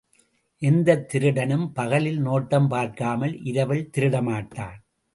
எந்த திருடனும் பகலில் நோட்டம் பார்க்காமல் இரவில் திருடமாட்டான்.